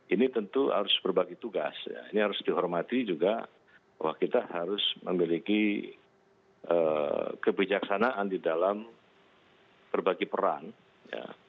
ini tentu harus berbagi tugas ini harus dihormati juga bahwa kita harus memiliki kebijaksanaan di dalam berbagi peran ya